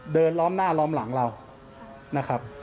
ล้อมหน้าล้อมหลังเรานะครับ